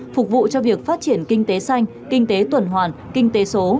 phục vụ cho việc phát triển kinh tế xanh kinh tế tuần hoàn kinh tế số